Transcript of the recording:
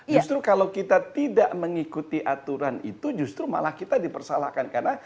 justru kalau kita tidak mengikuti aturan itu justru malah kita dipersalahkan karena